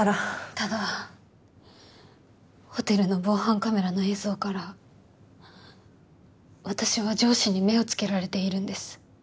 ただホテルの防犯カメラの映像から私は上司に目をつけられているんです。